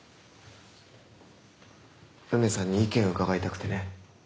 梅さんに意見を伺いたくてね。